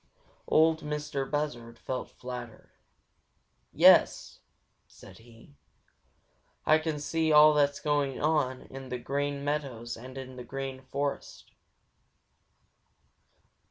Ol' Mistah Buzzard felt flattered. "Yes," said he, "Ah can see all that's going on on the Green Meadows and in the Green Forest."